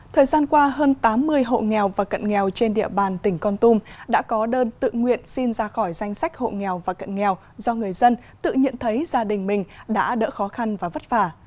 thời gian qua hơn tám mươi hộ nghèo và cận nghèo trên địa bàn tỉnh con tum đã có đơn tự nguyện xin ra khỏi danh sách hộ nghèo và cận nghèo do người dân tự nhận thấy gia đình mình đã đỡ khó khăn và vất vả